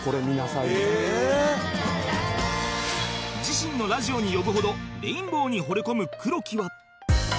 自身のラジオに呼ぶほどレインボーに惚れ込む黒木は